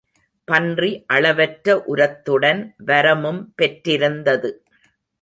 பன்றி அளவற்ற உரத்துடன் வரமும் பெற்றிருந்தது.